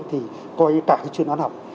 thì coi cả cái chuyên án học